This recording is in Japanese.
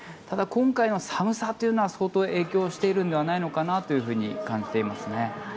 ただ、今回の寒さというのは相当影響しているのではないかと感じていますね。